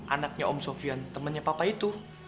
anaknya om sofyan temennya papa itu